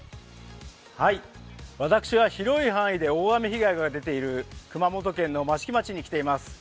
私は広い範囲で大雨被害が出ている熊本県の益城町に来ています。